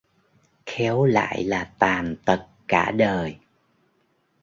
Khéo lại là tàn tật cả đời